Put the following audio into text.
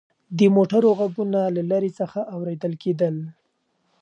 د موټرو غږونه له لرې څخه اورېدل کېدل.